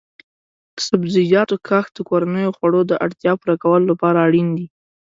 د سبزیجاتو کښت د کورنیو خوړو د اړتیا پوره کولو لپاره اړین دی.